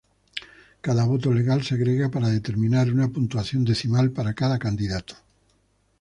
Cada voto legal se agrega para determinar una puntuación decimal para cada candidato.